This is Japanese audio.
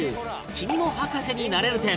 「君も博士になれる展」